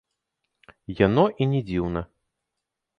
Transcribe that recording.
Яно і не дзіўна.